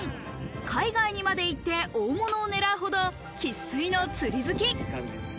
海外にまで行って大物を狙うほど生粋の釣り好き。